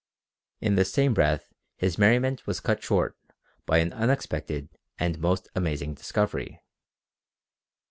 In the same breath his merriment was cut short by an unexpected and most amazing discovery.